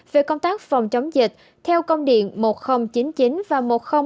về công tác phòng chống dịch theo công điện một nghìn chín mươi chín và một nghìn hai mươi hai